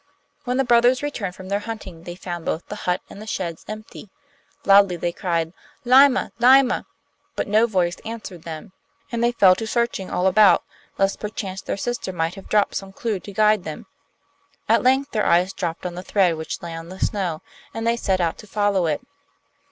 When the brothers returned from their hunting they found both the hut and the sheds empty. Loudly they cried: 'Lyma! Lyma!' But no voice answered them; and they fell to searching all about, lest perchance their sister might have dropped some clue to guide them. At length their eyes dropped on the thread which lay on the snow, and they set out to follow it.